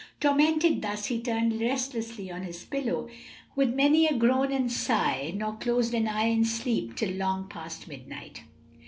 Tormented thus, he turned restlessly on his pillow with many a groan and sigh, nor closed an eye in sleep till long past midnight.